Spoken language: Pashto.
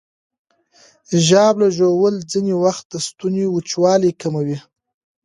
ژاوله ژوول ځینې وخت د ستوني وچوالی کموي.